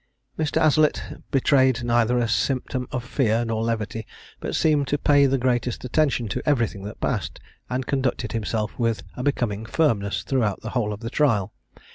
Mr. Aslett betrayed neither a symptom of fear, nor levity, but seemed to pay the greatest attention to everything that passed, and conducted himself with a becoming firmness throughout the whole of the trial.